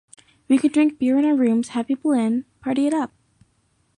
We could drink beer in our rooms, have people in, party it up.